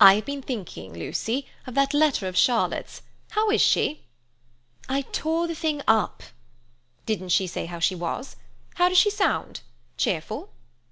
"I have been thinking, Lucy, of that letter of Charlotte's. How is she?" "I tore the thing up." "Didn't she say how she was? How does she sound? Cheerful?"